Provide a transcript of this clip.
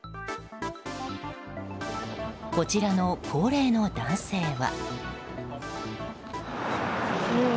こちらの高齢の男性は。